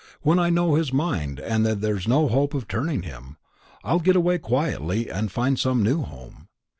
"When I know his mind, and that there's no hope of turning him, I'll get away quietly, and find some new home.